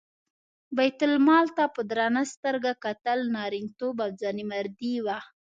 بیت المال ته په درنه سترګه کتل نارینتوب او ځوانمردي وه.